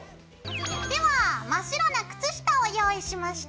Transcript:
では真っ白な靴下を用意しました。